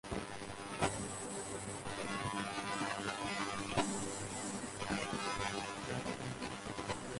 Taylor and Beretta performed Strong Zero on Kassidy to win.